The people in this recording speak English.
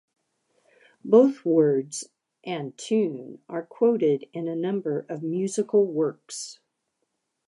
Both words and tune are quoted in a number of musical works.